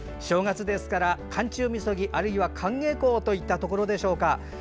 正月ですから寒中みそぎあるいは寒稽古といったところでしょうか。